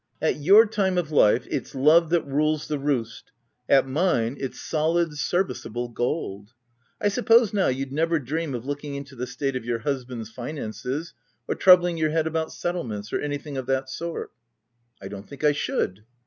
At your time of life, it's love that rules the roast : at mine, it's solid, serviceable gold. I suppose now, you'd never dream of looking into the state of your husband's finances, or troubling your head about settlements, or anything of that sort ?"" I don't think I should."